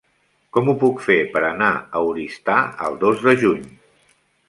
Com ho puc fer per anar a Oristà el dos de juny?